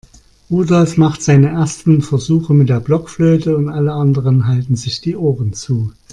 Rudolf macht seine ersten Versuche mit der Blockflöte und alle anderen halten sich die Ohren zu.